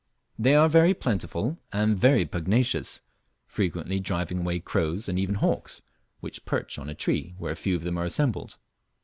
They are very plentiful and very pugnacious, frequently driving away crows and even hawks, which perch on a tree where a few of them are assembled.